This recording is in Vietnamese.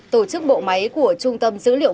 tổ chức bộ máy của trung tâm dữ liệu